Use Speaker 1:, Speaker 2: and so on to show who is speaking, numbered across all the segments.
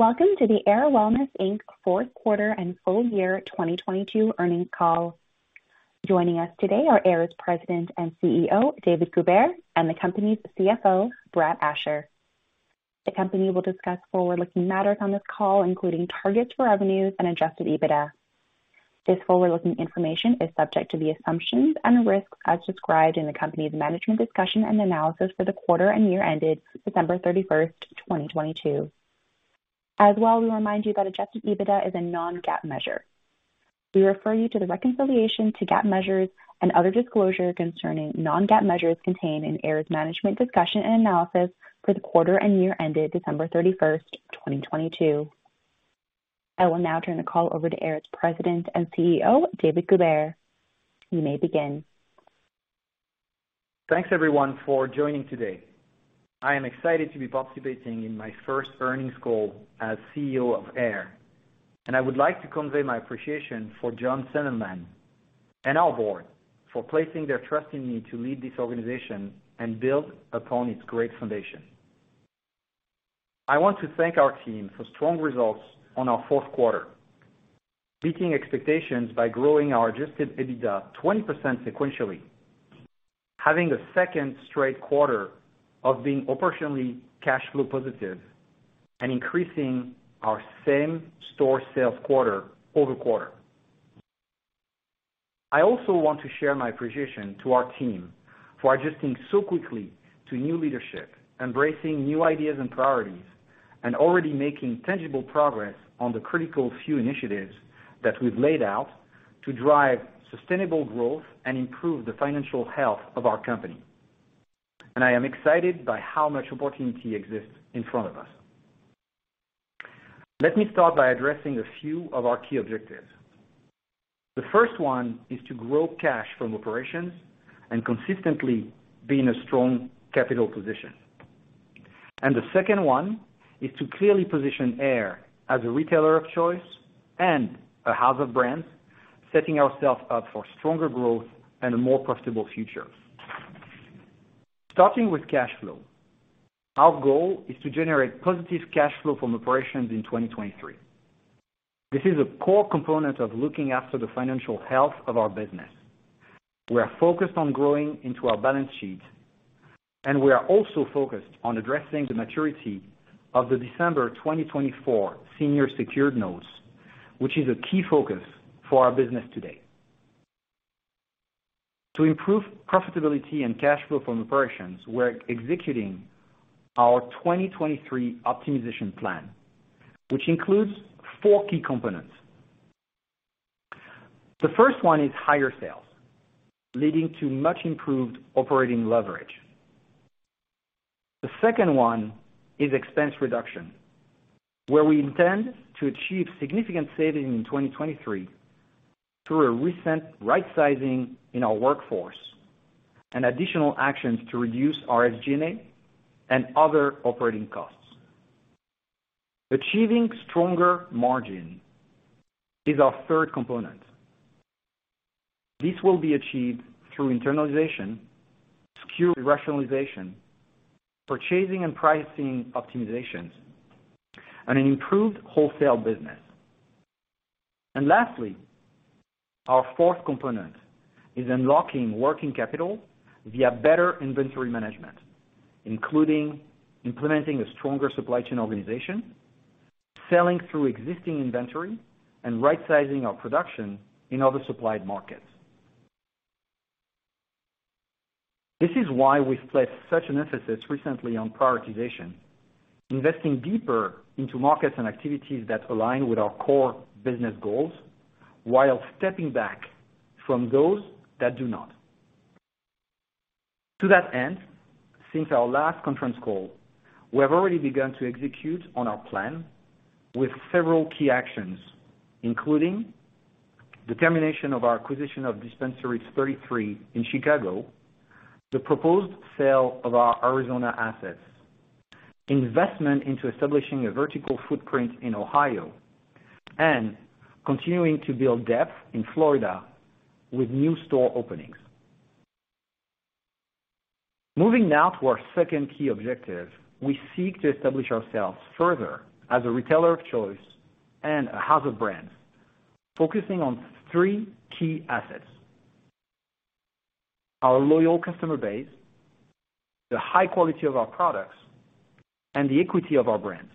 Speaker 1: Welcome to the Ayr Wellness Inc. fourth quarter and full year 2022 earnings call. Joining us today are Ayr's President and CEO, David Goubert, and the company's CFO, Brad Asher. The company will discuss forward-looking matters on this call, including targets for revenues and Adjusted EBITDA. This forward-looking information is subject to the assumptions and risks as described in the company's management discussion and analysis for the quarter and year ended December 31st, 2022. As well, we remind you that Adjusted EBITDA is a non-GAAP measure. We refer you to the reconciliation to GAAP measures and other disclosure concerning non-GAAP measures contained in Ayr's management discussion and analysis for the quarter and year ended December 31st, 2022. I will now turn the call over to Ayr's President and CEO, David Goubert. You may begin.
Speaker 2: Thanks, everyone, for joining today. I am excited to be participating in my first earnings call as CEO of Ayr, I would like to convey my appreciation for Jonathan Sandelman and our board for placing their trust in me to lead this organization and build upon its great foundation. I want to thank our team for strong results on our fourth quarter, beating expectations by growing our Adjusted EBITDA 20% sequentially, having a second straight quarter of being operationally cash flow positive, and increasing our same-store sales quarter-over-quarter. I also want to share my appreciation to our team for adjusting so quickly to new leadership, embracing new ideas and priorities, and already making tangible progress on the critical few initiatives that we've laid out to drive sustainable growth and improve the financial health of our company. I am excited by how much opportunity exists in front of us. Let me start by addressing a few of our key objectives. The first one is to grow cash from operations and consistently be in a strong capital position. The second one is to clearly position Ayr as a retailer of choice and a house of brands, setting ourselves up for stronger growth and a more profitable future. Starting with cash flow, our goal is to generate positive cash flow from operations in 2023. This is a core component of looking after the financial health of our business. We are focused on growing into our balance sheet, and we are also focused on addressing the maturity of the December 2024 senior secured notes, which is a key focus for our business today. To improve profitability and cash flow from operations, we're executing our 2023 optimization plan, which includes four key components. The first one is higher sales, leading to much improved operating leverage. The second one is expense reduction, where we intend to achieve significant savings in 2023 through a recent right-sizing in our workforce and additional actions to reduce our SG&A and other operating costs. Achieving stronger margin is our third component. This will be achieved through internalization, SKU rationalization, purchasing and pricing optimizations, and an improved wholesale business. Lastly, our fourth component is unlocking working capital via better inventory management, including implementing a stronger supply chain organization, selling through existing inventory, and right-sizing our production in other supplied markets. This is why we've placed such an emphasis recently on prioritization, investing deeper into markets and activities that align with our core business goals while stepping back from those that do not. To that end, since our last conference call, we have already begun to execute on our plan with several key actions, including the termination of our acquisition of Dispensary 33 in Chicago, the proposed sale of our Arizona assets, investment into establishing a vertical footprint in Ohio, and continuing to build depth in Florida with new store openings. Moving now to our second key objective, we seek to establish ourselves further as a retailer of choice and a house of brands, focusing on three key assets: our loyal customer base, the high quality of our products, and the equity of our brands.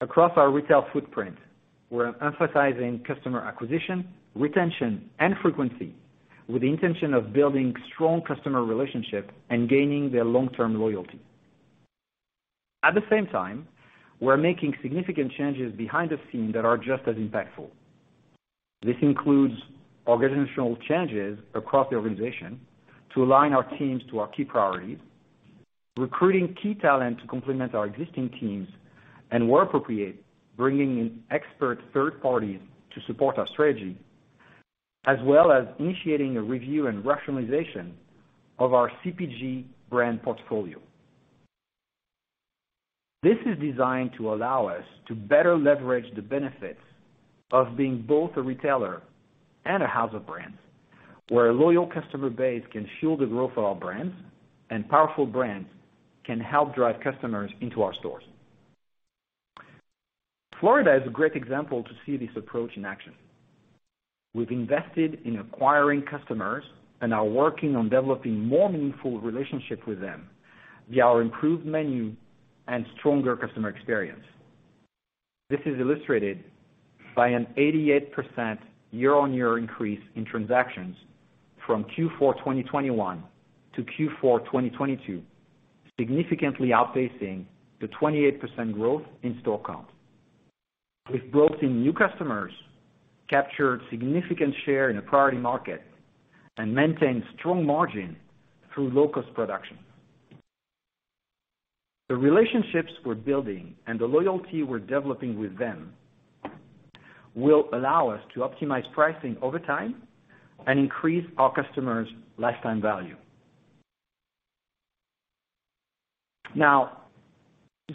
Speaker 2: Across our retail footprint, we're emphasizing customer acquisition, retention, and frequency with the intention of building strong customer relationships and gaining their long-term loyalty. At the same time, we're making significant changes behind the scenes that are just as impactful. This includes organizational changes across the organization to align our teams to our key priorities, recruiting key talent to complement our existing teams, and where appropriate, bringing in expert third parties to support our strategy, as well as initiating a review and rationalization of our CPG brand portfolio. This is designed to allow us to better leverage the benefits of being both a retailer and a house of brands, where a loyal customer base can fuel the growth of our brands, and powerful brands can help drive customers into our stores. Florida is a great example to see this approach in action. We've invested in acquiring customers and are working on developing more meaningful relationship with them via our improved menu and stronger customer experience. This is illustrated by an 88% year-on-year increase in transactions from Q4 2021 to Q4 2022, significantly outpacing the 28% growth in store count. We've brought in new customers, captured significant share in a priority market, and maintained strong margin through low-cost production. The relationships we're building and the loyalty we're developing with them will allow us to optimize pricing over time and increase our customers' lifetime value. Now,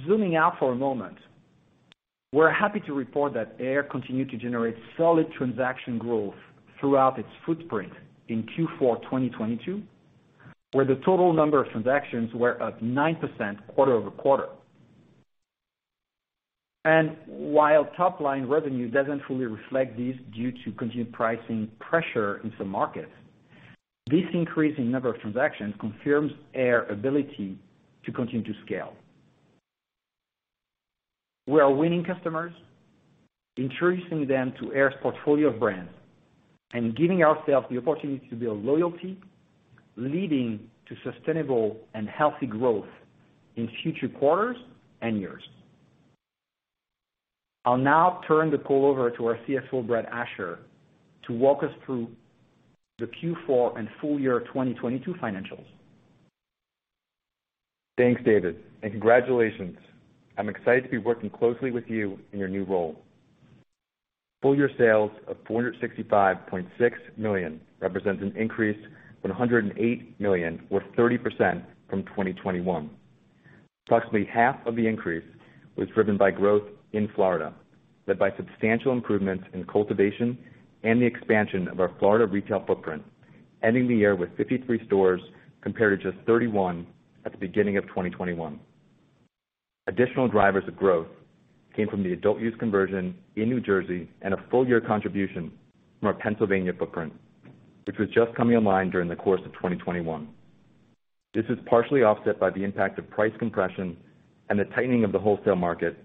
Speaker 2: zooming out for a moment, we're happy to report that Ayr continued to generate solid transaction growth throughout its footprint in Q4 2022, where the total number of transactions were up 9% quarter-over-quarter. While top-line revenue doesn't fully reflect this due to continued pricing pressure in some markets, this increase in number of transactions confirms Ayr ability to continue to scale. We are winning customers, introducing them to Ayr's portfolio of brands, and giving ourselves the opportunity to build loyalty, leading to sustainable and healthy growth in future quarters and years. I'll now turn the call over to our CFO, Brad Asher, to walk us through the Q4 and full year 2022 financials.
Speaker 3: Thanks, David, and congratulations. I'm excited to be working closely with you in your new role. Full year sales of $465.6 million represents an increase from $108 million, or 30% from 2021. Approximately half of the increase was driven by growth in Florida, led by substantial improvements in cultivation and the expansion of our Florida retail footprint, ending the year with 53 stores compared to just 31 at the beginning of 2021. Additional drivers of growth came from the adult use conversion in New Jersey and a full year contribution from our Pennsylvania footprint, which was just coming online during the course of 2021. This is partially offset by the impact of price compression and the tightening of the wholesale market,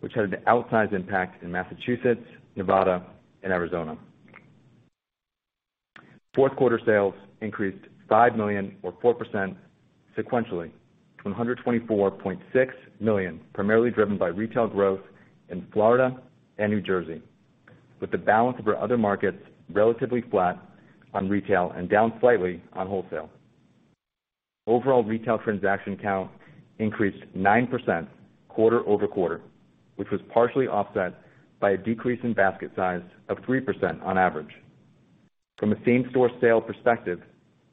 Speaker 3: which had an outsized impact in Massachusetts, Nevada, and Arizona. Fourth quarter sales increased $5 million or 4% sequentially from $124.6 million, primarily driven by retail growth in Florida and New Jersey, with the balance of our other markets relatively flat on retail and down slightly on wholesale. Overall retail transaction count increased 9% quarter-over-quarter, which was partially offset by a decrease in basket size of 3% on average. From a same-store sales perspective,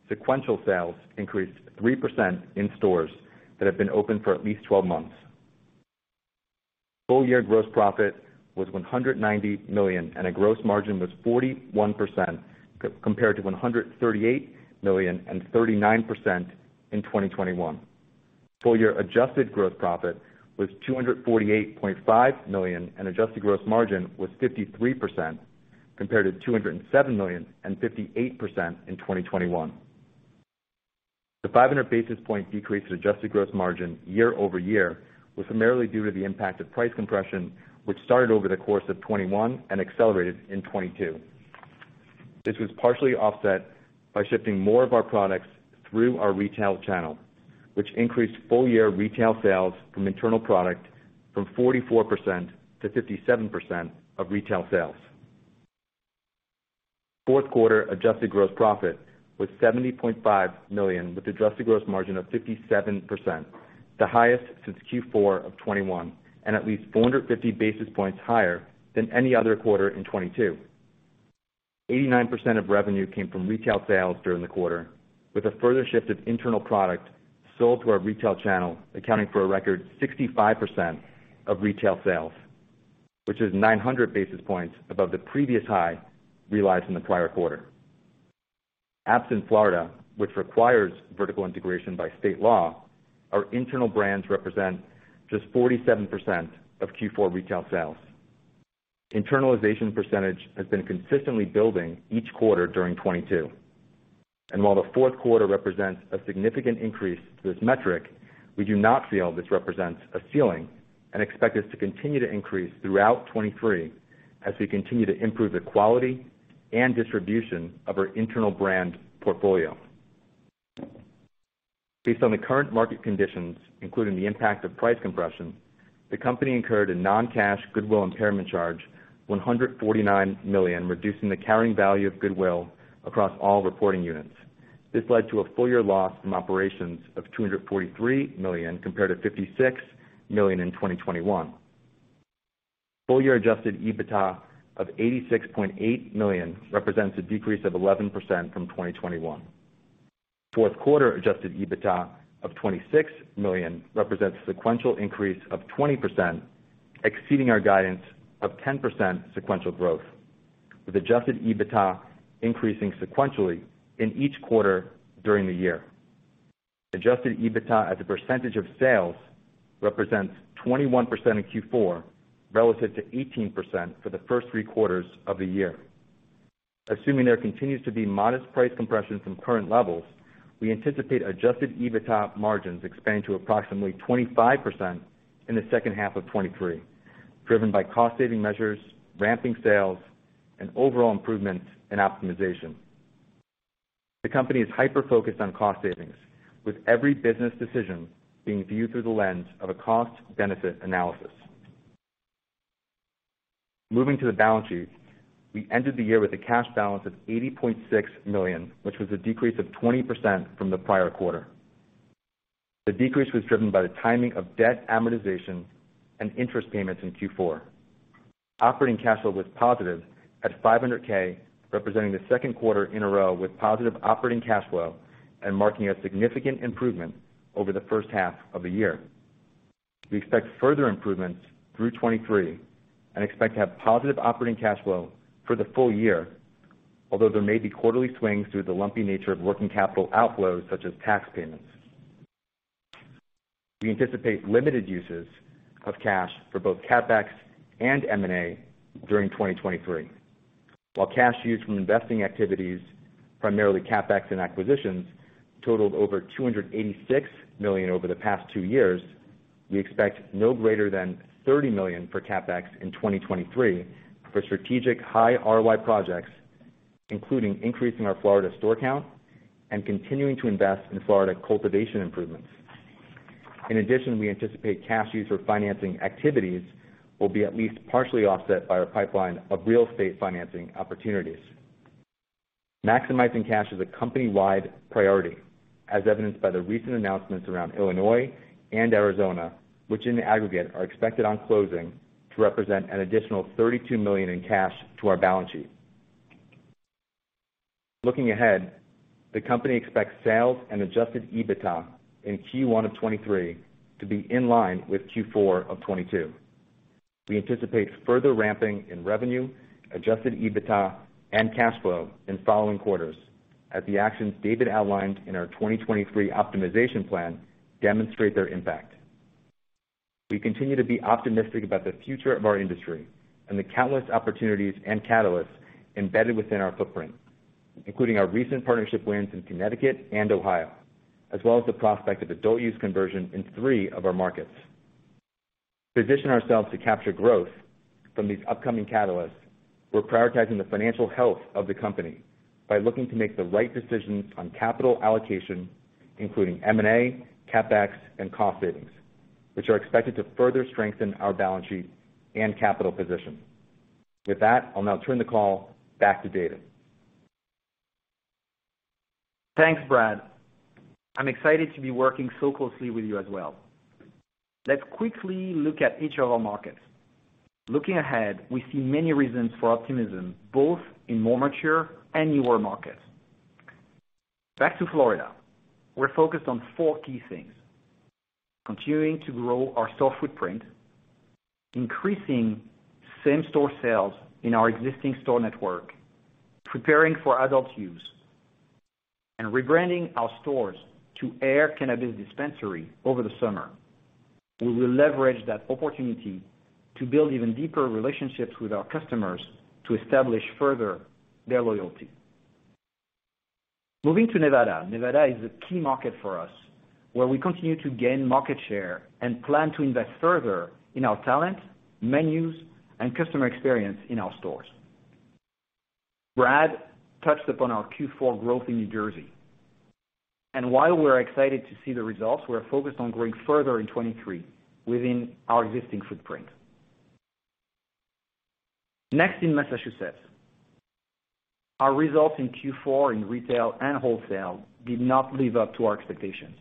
Speaker 3: sequential sales increased 3% in stores that have been open for at least 12 months. Full year gross profit was $190 million, and a gross margin was 41%, compared to $138 million and 39% in 2021. Full year adjusted gross profit was $248.5 million, and adjusted gross margin was 53% compared to $207 million and 58% in 2021. The 500 basis point decrease in adjusted gross margin year-over-year was primarily due to the impact of price compression, which started over the course of 2021 and accelerated in 2022. This was partially offset by shifting more of our products through our retail channel, which increased full year retail sales from internal product from 44% to 57% of retail sales. Fourth quarter adjusted gross profit was $70.5 million, with adjusted gross margin of 57%, the highest since Q4 of 2021, and at least 450 basis points higher than any other quarter in 2022. 89% of revenue came from retail sales during the quarter, with a further shift of internal product sold to our retail channel, accounting for a record 65% of retail sales, which is 900 basis points above the previous high realized in the prior quarter. Absent Florida, which requires vertical integration by state law, our internal brands represent just 47% of Q4 retail sales. Internalization percentage has been consistently building each quarter during 2022. While the fourth quarter represents a significant increase to this metric, we do not feel this represents a ceiling and expect this to continue to increase throughout 2023 as we continue to improve the quality and distribution of our internal brand portfolio. Based on the current market conditions, including the impact of price compression, the company incurred a non-cash goodwill impairment charge $149 million, reducing the carrying value of goodwill across all reporting units. This led to a full year loss from operations of $243 million compared to $56 million in 2021. Full year Adjusted EBITDA of $86.8 million represents a decrease of 11% from 2021. Fourth quarter Adjusted EBITDA of $26 million represents sequential increase of 20%, exceeding our guidance of 10% sequential growth, with Adjusted EBITDA increasing sequentially in each quarter during the year. Adjusted EBITDA as a percentage of sales represents 21% in Q4, relative to 18% for the first three quarters of the year. Assuming there continues to be modest price compression from current levels, we anticipate Adjusted EBITDA margins expanding to approximately 25% in the second half of 2023, driven by cost saving measures, ramping sales, and overall improvement in optimization. The company is hyper-focused on cost savings, with every business decision being viewed through the lens of a cost-benefit analysis. Moving to the balance sheet, we ended the year with a cash balance of $80.6 million, which was a decrease of 20% from the prior quarter. The decrease was driven by the timing of debt amortization and interest payments in Q4. Operating cash flow was positive at $500K, representing the second quarter in a row with positive operating cash flow and marking a significant improvement over the first half of the year. We expect further improvements through 2023 and expect to have positive operating cash flow for the full year, although there may be quarterly swings through the lumpy nature of working capital outflows such as tax payments. We anticipate limited uses of cash for both CapEx and M&A during 2023. While cash used from investing activities, primarily CapEx and acquisitions, totaled over $286 million over the past two years, we expect no greater than $30 million for CapEx in 2023 for strategic high ROI projects, including increasing our Florida store count and continuing to invest in Florida cultivation improvements. In addition, we anticipate cash used for financing activities will be at least partially offset by our pipeline of real estate financing opportunities. Maximizing cash is a company-wide priority, as evidenced by the recent announcements around Illinois and Arizona, which in aggregate are expected on closing to represent an additional $32 million in cash to our balance sheet. Looking ahead, the company expects sales and Adjusted EBITDA in Q1 of 2023 to be in line with Q4 of 2022. We anticipate further ramping in revenue, Adjusted EBITDA and cash flow in following quarters as the actions David outlined in our 2023 optimization plan demonstrate their impact. We continue to be optimistic about the future of our industry and the countless opportunities and catalysts embedded within our footprint, including our recent partnership wins in Connecticut and Ohio, as well as the prospect of adult use conversion in three of our markets. To position ourselves to capture growth from these upcoming catalysts, we're prioritizing the financial health of the company by looking to make the right decisions on capital allocation, including M&A, CapEx, and cost savings, which are expected to further strengthen our balance sheet and capital position. With that, I'll now turn the call back to David.
Speaker 2: Thanks, Brad. I'm excited to be working so closely with you as well. Let's quickly look at each of our markets. Looking ahead, we see many reasons for optimism, both in more mature and newer markets. Back to Florida. We're focused on four key things: continuing to grow our store footprint, increasing same-store sales in our existing store network, preparing for adult use, and rebranding our stores to AYR Cannabis Dispensary over the summer. We will leverage that opportunity to build even deeper relationships with our customers to establish further their loyalty. Moving to Nevada. Nevada is a key market for us, where we continue to gain market share and plan to invest further in our talent, menus, and customer experience in our stores. Brad touched upon our Q4 growth in New Jersey. While we're excited to see the results, we're focused on growing further in 2023 within our existing footprint. Next, in Massachusetts. Our results in Q4 in retail and wholesale did not live up to our expectations.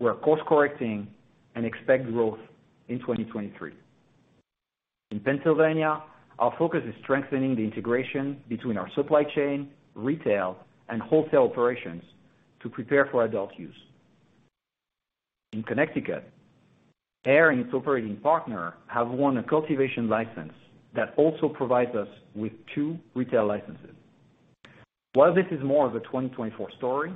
Speaker 2: We are course correcting and expect growth in 2023. In Pennsylvania, our focus is strengthening the integration between our supply chain, retail, and wholesale operations to prepare for adult use. In Connecticut, Ayr and its operating partner have won a cultivation license that also provides us with two retail licenses. While this is more of a 2024 story,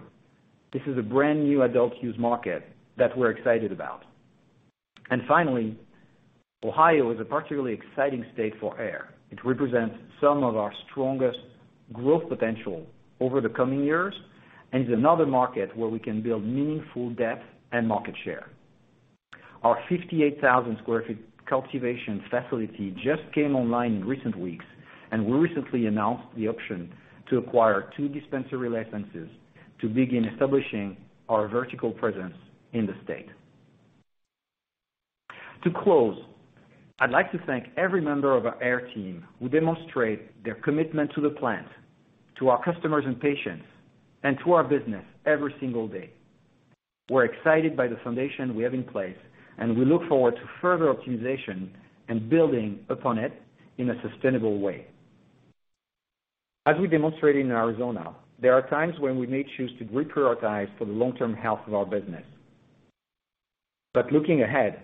Speaker 2: this is a brand-new adult use market that we're excited about. Finally, Ohio is a particularly exciting state for Ayr. It represents some of our strongest growth potential over the coming years and is another market where we can build meaningful depth and market share. Our 58,000 sq ft cultivation facility just came online in recent weeks, and we recently announced the option to acquire two dispensary licenses to begin establishing our vertical presence in the state. To close, I'd like to thank every member of our Ayr team who demonstrate their commitment to the plant, to our customers and patients, and to our business every single day. We're excited by the foundation we have in place, and we look forward to further optimization and building upon it in a sustainable way. As we demonstrated in Arizona, there are times when we may choose to reprioritize for the long-term health of our business. Looking ahead,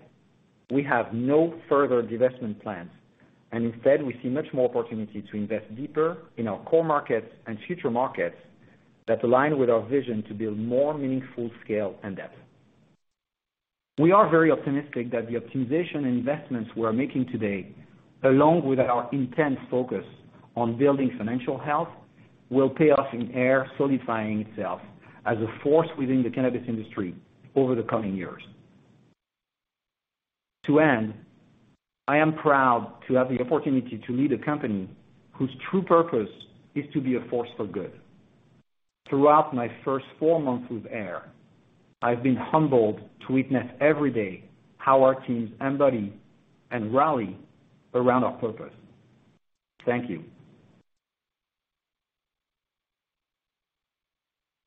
Speaker 2: we have no further divestment plans, and instead we see much more opportunity to invest deeper in our core markets and future markets that align with our vision to build more meaningful scale and depth. We are very optimistic that the optimization investments we're making today, along with our intense focus on building financial health, will pay off in Ayr solidifying itself as a force within the cannabis industry over the coming years. To end, I am proud to have the opportunity to lead a company whose true purpose is to be a force for good. Throughout my first four months with Ayr, I've been humbled to witness every day how our teams embody and rally around our purpose. Thank you.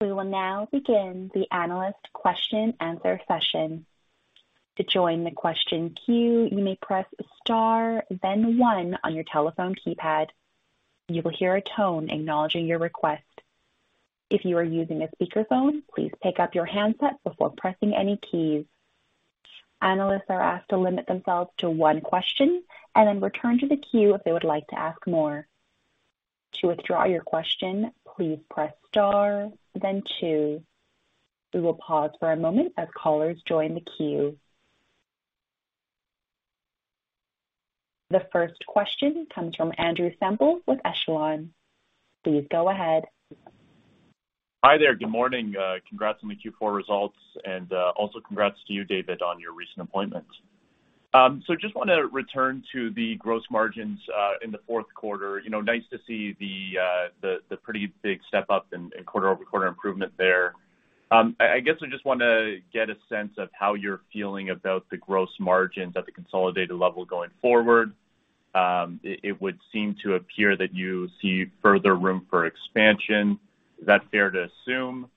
Speaker 1: We will now begin the analyst question-answer session. To join the question queue, you may press star then one on your telephone keypad. You will hear a tone acknowledging your request. If you are using a speakerphone, please pick up your handset before pressing any keys. Analysts are asked to limit themselves to one question and then return to the queue if they would like to ask more. To withdraw your question, please press star then two. We will pause for a moment as callers join the queue. The first question comes from Andrew Semple with Echelon. Please go ahead.
Speaker 4: Hi there. Good morning. Congrats on the Q4 results and also congrats to you, David, on your recent appointment. Just wanna return to the gross margins in the fourth quarter. You know, nice to see the pretty big step up in quarter-over-quarter improvement there. I guess I just wanna get a sense of how you're feeling about the gross margins at the consolidated level going forward. It would seem to appear that you see further room for expansion. Is that fair to assume?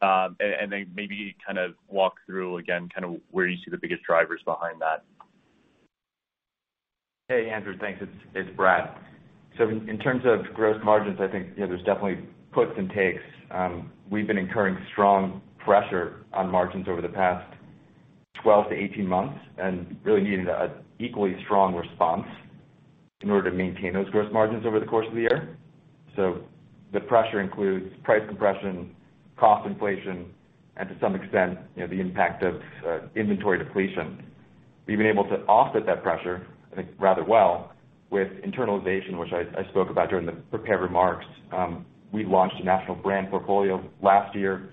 Speaker 4: Then maybe kind of walk through again kinda where you see the biggest drivers behind that.
Speaker 3: Hey, Andrew. Thanks. It's Brad. In terms of gross margins, I think, you know, there's definitely puts and takes. We've been incurring strong pressure on margins over the past 12 to 18 months and really needing an equally strong response in order to maintain those gross margins over the course of the year. The pressure includes price compression, cost inflation, and to some extent, you know, the impact of inventory depletion. We've been able to offset that pressure, I think, rather well with internalization, which I spoke about during the prepared remarks. We launched a national brand portfolio last year,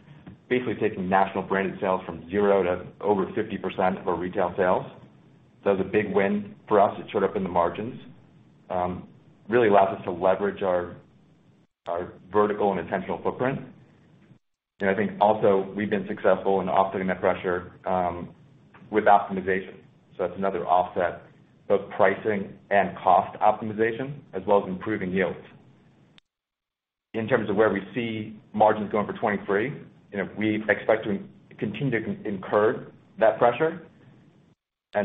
Speaker 3: basically taking national branded sales from 0% to over 50% for retail sales. It was a big win for us. It showed up in the margins. Really allows us to leverage our vertical and intentional footprint. I think also we've been successful in offsetting that pressure with optimization. That's another offset, both pricing and cost optimization, as well as improving yields. In terms of where we see margins going for 2023, you know, we expect to continue to incur that pressure. You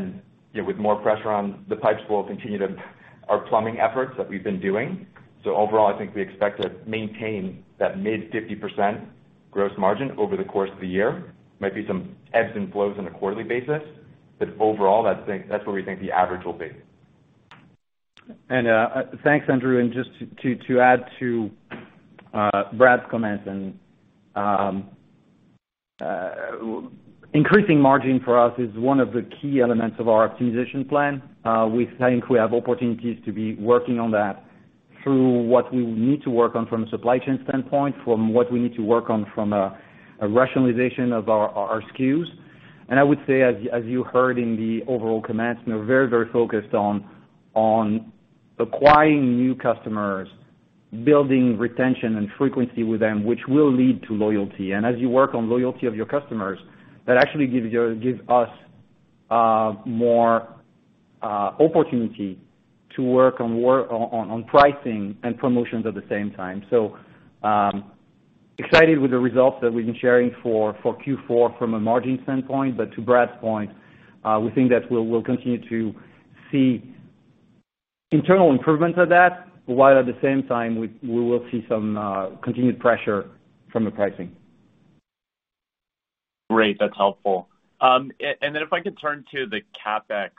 Speaker 3: know, with more pressure on the pipes, we'll continue to our plumbing efforts that we've been doing. Overall, I think we expect to maintain that mid 50% gross margin over the course of the year. Might be some ebbs and flows on a quarterly basis, but overall, that's where we think the average will be.
Speaker 2: Thanks, Andrew. Just to add to Brad's comments, increasing margin for us is one of the key elements of our optimization plan. We think we have opportunities to be working on that through what we need to work on from a supply chain standpoint, from what we need to work on from a rationalization of our SKUs. I would say as you heard in the overall comments, we're very focused on acquiring new customers, building retention and frequency with them, which will lead to loyalty. As you work on loyalty of your customers, that actually gives us more opportunity to work on pricing and promotions at the same time. Excited with the results that we've been sharing for Q-four from a margin standpoint. To Brad's point, we think that we'll continue to see internal improvements of that, while at the same time we will see some continued pressure from the pricing.
Speaker 4: Great. That's helpful. Then if I could turn to the CapEx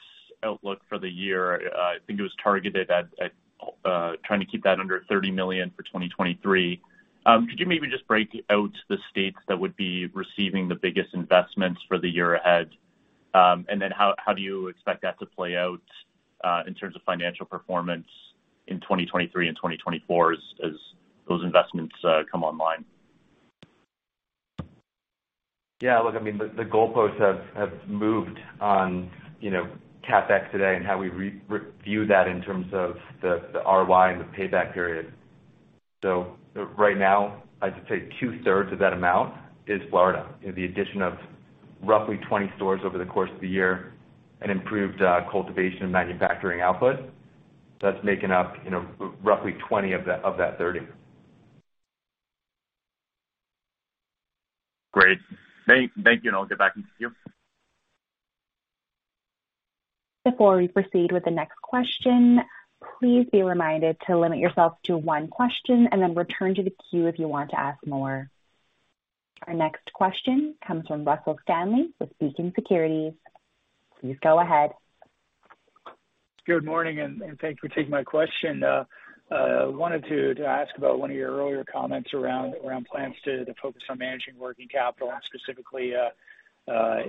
Speaker 4: outlook for the year, I think it was targeted at trying to keep that under $30 million for 2023. Could you maybe just break out the states that would be receiving the biggest investments for the year ahead? Then how do you expect that to play out in terms of financial performance in 2023 and 2024 as those investments come online?
Speaker 3: Look, I mean, the goalposts have moved on, you know, CapEx today and how we re-review that in terms of the ROI and the payback period. Right now, I'd say two-thirds of that amount is Florida. You know, the addition of roughly 20 stores over the course of the year and improved cultivation and manufacturing output, that's making up, you know, roughly 20 of that 30.
Speaker 4: Thank you and I'll get back in the queue.
Speaker 1: Before we proceed with the next question, please be reminded to limit yourself to one question and then return to the queue if you want to ask more. Our next question comes from Russell Stanley with Beacon Securities. Please go ahead.
Speaker 5: Good morning, and thanks for taking my question. Wanted to ask about one of your earlier comments around plans to focus on managing working capital and specifically,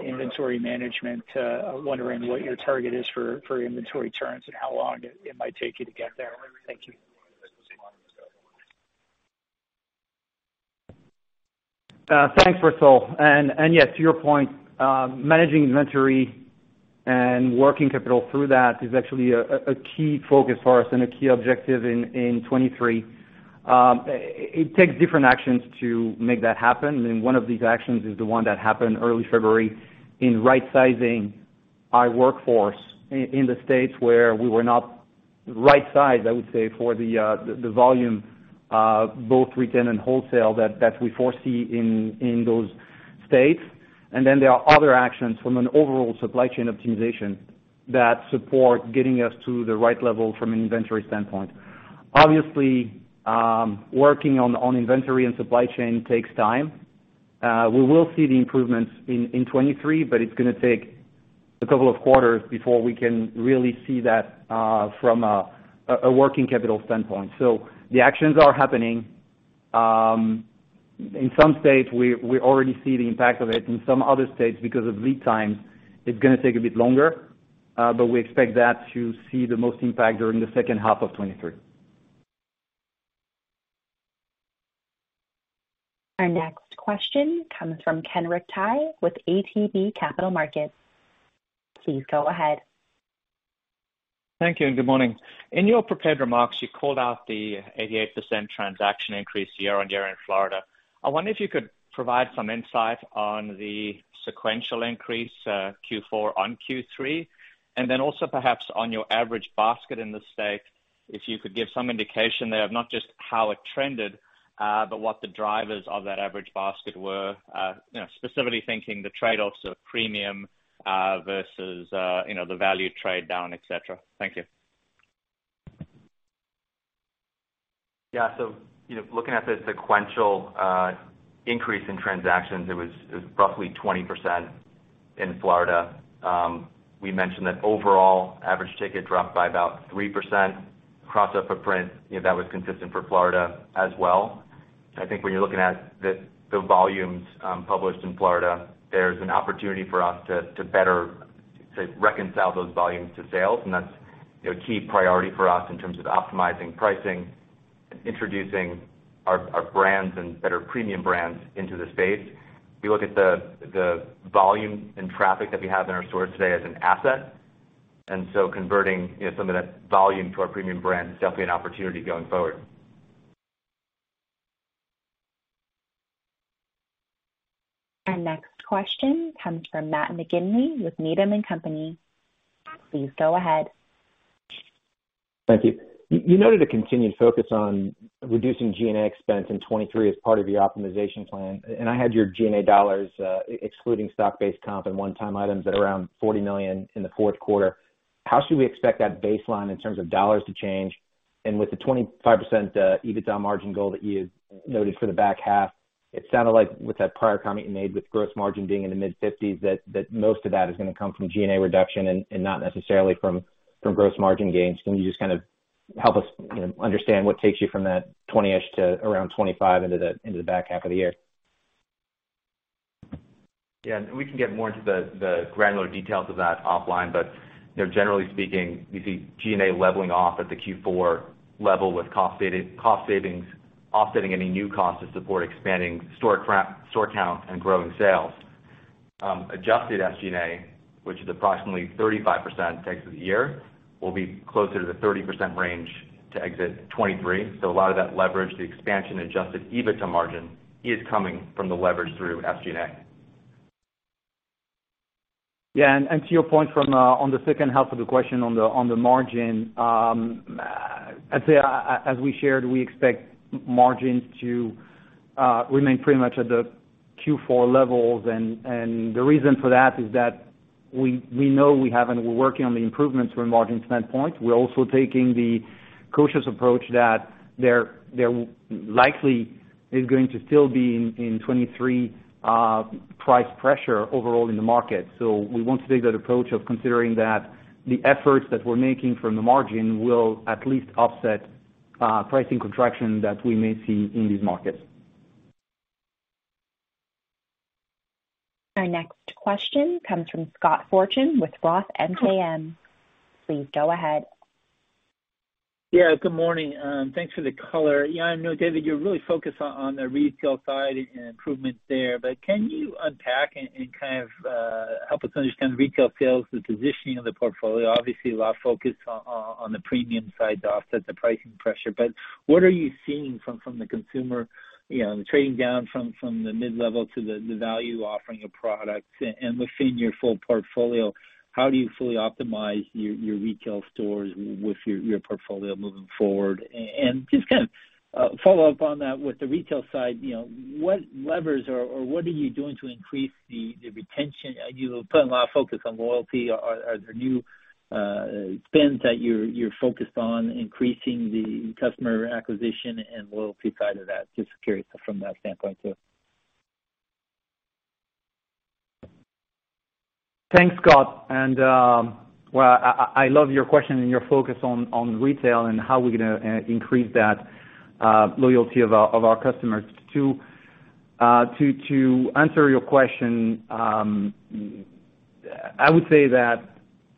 Speaker 5: inventory management. Wondering what your target is for inventory turns and how long it might take you to get there. Thank you.
Speaker 2: Thanks, Russell. Yes, to your point, managing inventory and working capital through that is actually a key focus for us and a key objective in 2023. It takes different actions to make that happen, and one of these actions is the one that happened early February in rightsizing our workforce in the states where we were not right sized, I would say, for the volume, both retail and wholesale that we foresee in those states. Then there are other actions from an overall supply chain optimization that support getting us to the right level from an inventory standpoint. Obviously, working on inventory and supply chain takes time. We will see the improvements in 2023, but it's gonna take a couple of quarters before we can really see that, from a working capital standpoint. The actions are happening. In some states we already see the impact of it. In some other states, because of lead times, it's gonna take a bit longer, but we expect that to see the most impact during the second half of 2023.
Speaker 1: Our next question comes from Kenric Tyghe with ATB Capital Markets. Please go ahead.
Speaker 6: Thank you and good morning. In your prepared remarks, you called out the 88% transaction increase year-over-year in Florida. I wonder if you could provide some insight on the sequential increase, Q4 on Q3, and then also perhaps on your average basket in the state, if you could give some indication there of not just how it trended, but what the drivers of that average basket were. You know, specifically thinking the trade-offs of premium, versus, you know, the value trade down, et cetera. Thank you.
Speaker 3: You know, looking at the sequential increase in transactions, it was roughly 20% in Florida. We mentioned that overall average ticket dropped by about 3% across our footprint. You know, that was consistent for Florida as well. I think when you're looking at the volumes published in Florida, there's an opportunity for us to better, say, reconcile those volumes to sales. That's, you know, a key priority for us in terms of optimizing pricing, introducing our brands and better premium brands into the space. We look at the volume and traffic that we have in our stores today as an asset, converting, you know, some of that volume to our premium brand is definitely an opportunity going forward.
Speaker 1: Our next question comes from Matt McGinley with Needham & Company. Please go ahead.
Speaker 7: Thank you. You noted a continued focus on reducing G&A expense in 2023 as part of your optimization plan. I had your G&A dollars, excluding stock-based comp and one-time items at around $40 million in the fourth quarter. How should we expect that baseline in terms of dollars to change? With the 25% EBITDA margin goal that you noted for the back half, it sounded like with that prior comment you made with gross margin being in the mid-50s, that most of that is gonna come from G&A reduction and not necessarily from gross margin gains. Can you just kind of help us, you know, understand what takes you from that 20-ish to around 25 into the back half of the year?
Speaker 3: Yeah. We can get more into the granular details of that offline, but, you know, generally speaking, you see G&A leveling off at the Q4 level with cost savings offsetting any new cost to support expanding store count and growing sales. Adjusted SG&A, which is approximately 35% tax of the year, will be closer to the 30% range to exit 2023. A lot of that leverage, the expansion Adjusted EBITDA margin is coming from the leverage through SG&A.
Speaker 2: Yeah. to your point from on the second half of the question on the margin, I'd say as we shared, we expect margins to remain pretty much at the Q4 levels. The reason for that is that we know we have and we're working on the improvements from margin standpoint. We're also taking the cautious approach that there likely is going to still be in 2023 price pressure overall in the market. We want to take that approach of considering that the efforts that we're making from the margin will at least offset pricing contraction that we may see in these markets.
Speaker 1: Our next question comes from Scott Fortune with Roth MKM. Please go ahead.
Speaker 8: Yeah. Good morning. Thanks for the color. I know, David, you're really focused on the retail side and improvements there, but can you unpack and kind of help us understand retail sales, the positioning of the portfolio? Obviously a lot of focus on the premium side to offset the pricing pressure. What are you seeing from the consumer, you know, the trading down from the mid-level to the value offering of products? And within your full portfolio, how do you fully optimize your retail stores with your portfolio moving forward? And just kind of follow up on that with the retail side, you know, what levers or what are you doing to increase the retention? You put a lot of focus on loyalty. Are there new spends that you're focused on increasing the customer acquisition and loyalty side of that? Just curious from that standpoint, so.
Speaker 2: Thanks, Scott. Well, I love your question and your focus on retail and how we're gonna increase that loyalty of our customers. To answer your question, I would say that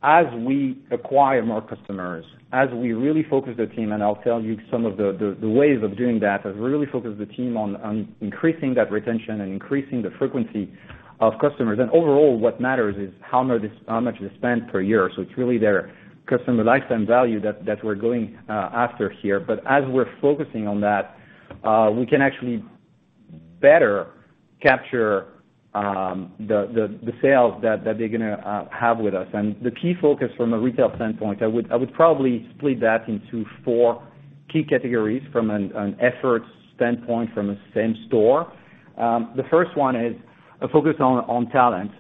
Speaker 2: as we acquire more customers, as we really focus the team, and I'll tell you some of the ways of doing that, as we really focus the team on increasing that retention and increasing the frequency of customers. Overall, what matters is how much they spend per year. It's really their customer lifetime value that we're going after here. As we're focusing on that, we can actually better capture the sales that they're gonna have with us. The key focus from a retail standpoint, I would probably split that into four key categories from an effort standpoint from a same store. The first one is a focus on talent,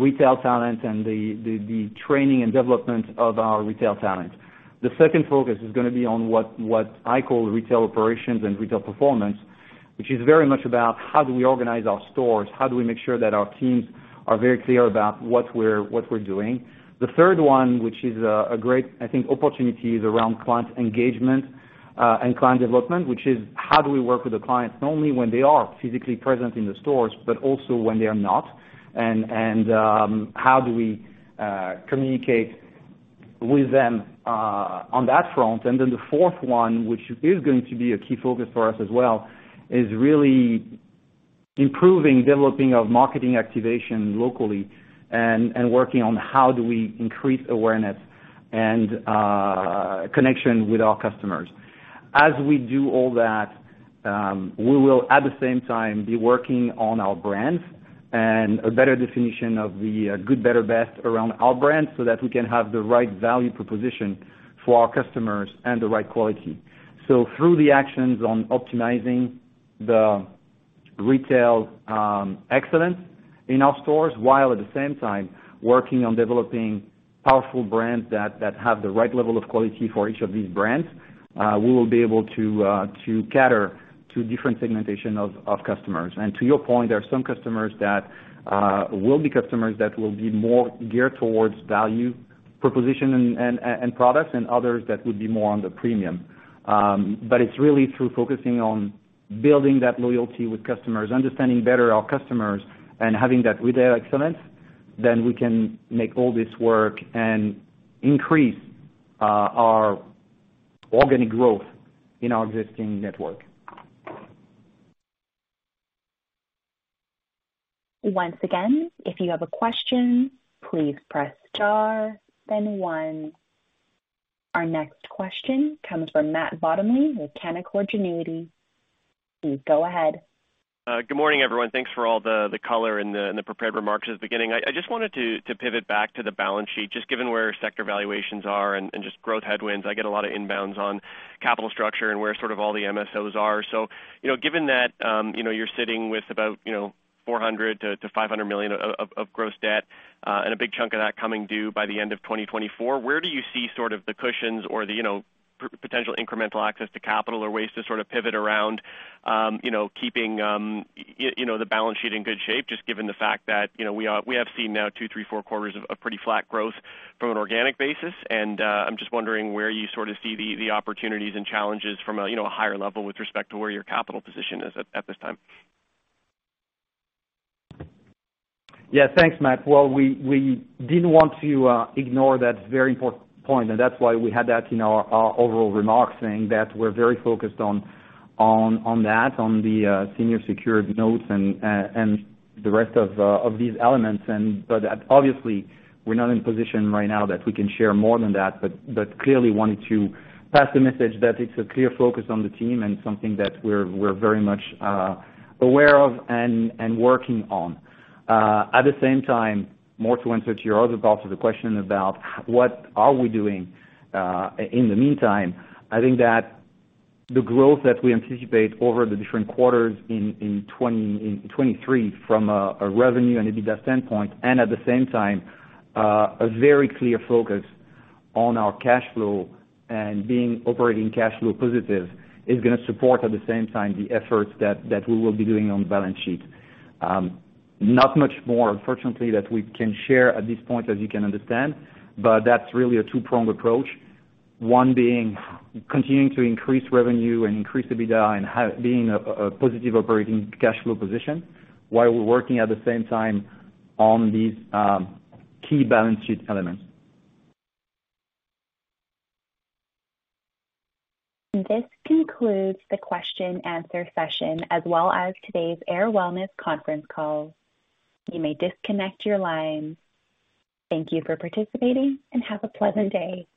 Speaker 2: retail talent and the training and development of our retail talent. The second focus is gonna be on what I call retail operations and retail performance, which is very much about how do we organize our stores, how do we make sure that our teams are very clear about what we're doing. The third one, which is a great, I think, opportunity, is around client engagement, and client development, which is how do we work with the clients not only when they are physically present in the stores, but also when they are not, and how do we communicate with them on that front. The fourth one, which is going to be a key focus for us as well, is really improving developing of marketing activation locally and working on how do we increase awareness and connection with our customers. As we do all that, we will, at the same time, be working on our brands and a better definition of the good, better, best around our brands so that we can have the right value proposition for our customers and the right quality. Through the actions on optimizing the retail excellence in our stores, while at the same time working on developing powerful brands that have the right level of quality for each of these brands, we will be able to cater to different segmentation of customers. To your point, there are some customers that will be more geared towards value proposition and products and others that would be more on the premium. It's really through focusing on building that loyalty with customers, understanding better our customers, and having that retail excellence, then we can make all this work and increase our organic growth in our existing network.
Speaker 1: Once again, if you have a question, please press star then one. Our next question comes from Matt Bottomley with Canaccord Genuity. Please go ahead.
Speaker 9: Good morning, everyone. Thanks for all the color and the prepared remarks at the beginning. I just wanted to pivot back to the balance sheet, just given where sector valuations are and just growth headwinds. I get a lot of inbounds on capital structure and where sort of all the MSOs are. You know, given that, you know, you're sitting with about, you know, $400 million-$500 million of gross debt, and a big chunk of that coming due by the end of 2024, where do you see sort of the cushions or the, you know, potential incremental access to capital or ways to sort of pivot around, you know, keeping, you know, the balance sheet in good shape, just given the fact that, you know, we have seen now two, three, four quarters of pretty flat growth from an organic basis? I'm just wondering where you sort of see the opportunities and challenges from a, you know, a higher level with respect to where your capital position is at this time.
Speaker 2: Yeah. Thanks, Matt. Well, we didn't want to ignore that very important point, and that's why we had that in our overall remarks saying that we're very focused on that, on the senior secured notes and the rest of these elements. Obviously we're not in a position right now that we can share more than that, but clearly wanted to pass the message that it's a clear focus on the team and something that we're very much aware of and working on. At the same time, more to answer to your other parts of the question about what are we doing in the meantime, I think that the growth that we anticipate over the different quarters in 2023 from a revenue and EBITDA standpoint, and at the same time, a very clear focus on our cash flow and being operating cash flow positive, is gonna support at the same time the efforts that we will be doing on the balance sheet. Not much more unfortunately that we can share at this point, as you can understand, but that's really a two-pronged approach. One being continuing to increase revenue and increase EBITDA and being a positive operating cash flow position while we're working at the same time on these key balance sheet elements.
Speaker 1: This concludes the question and answer session, as well as today's Ayr Wellness conference call. You may disconnect your line. Thank you for participating and have a pleasant day.